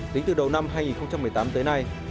tính từ đầu năm hai nghìn một mươi tám tới nay